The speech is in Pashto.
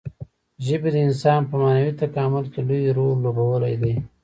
ژبې د انسان په معنوي تکامل کې لوی رول لوبولی دی.